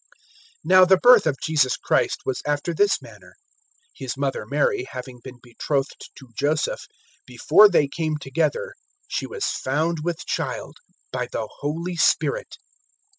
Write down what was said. (18)Now the birth of Jesus Christ was after this manner. His mother Mary having been betrothed to Joseph, before they came together she was found with child by the Holy Spirit.